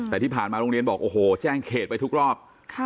แต่ที่ผ่านมาโรงเรียนบอกโอ้โหแจ้งเขตไปทุกรอบ